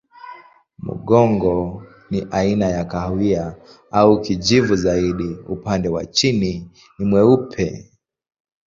Mgongo ni aina ya kahawia au kijivu zaidi, upande wa chini ni mweupe.